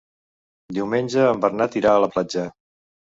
Diumenge en Bernat irà a la platja.